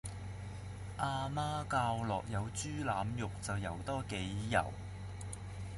阿媽教落有豬腩肉就游多幾游